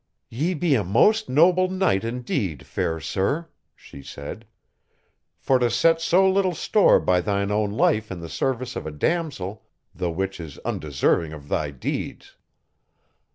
"Ye be a most noble knight indeed, fair sir," she said, "for to set so little store by thine own life in the service of a damosel the which is undeserving of thy deeds.